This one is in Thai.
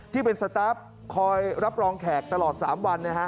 ที่เป็นสตาร์ฟคอยรับรองแขกตลอด๓วัน